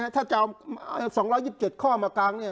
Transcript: ถ้าจะเอา๒๒๗ข้อมากาง